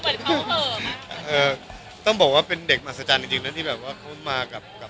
เออต้องบอกว่าเป็นเด็กอัศจรรย์จริงที่เขามากับ